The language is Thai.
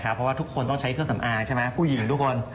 เพราะว่าทุกคนต้องใช้เครื่องสำอางใช่ไหมผู้หญิงทุกคน